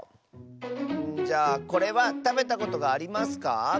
じゃあこれはたべたことがありますか？